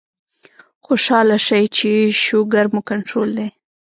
خوشاله شئ چې شوګر مو کنټرول دے